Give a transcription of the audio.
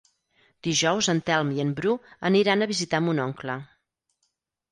Dijous en Telm i en Bru aniran a visitar mon oncle.